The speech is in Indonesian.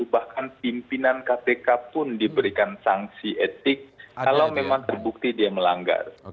bahkan pimpinan kpk pun diberikan sanksi etik kalau memang terbukti dia melanggar